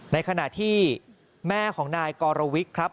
ในขณะที่แม่ของนายกรวิทย์ครับ